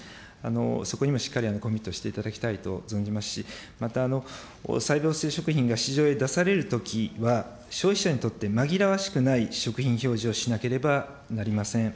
そこにもしっかりコミットしていただきたいと存じますし、また細胞性食品が市場へ出されるときは、消費者にとって紛らわしくない食品表示をしなければなりません。